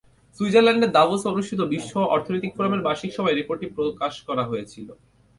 সুইজারল্যান্ডের দাভোসে অনুষ্ঠিত বিশ্ব অর্থনৈতিক ফোরামের বার্ষিক সভায় রিপোর্টটি প্রকাশ করা হয়েছিল।